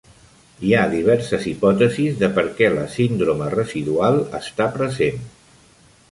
Hi ha diverses hipòtesis de per què la síndrome residual està present.